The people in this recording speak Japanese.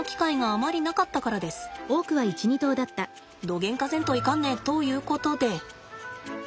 どげんかせんといかんねということで。